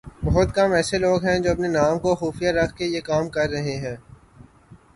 بہت کم ایسے لوگ ہیں جو اپنے نام کو خفیہ رکھ کر یہ کام کررہے ہیں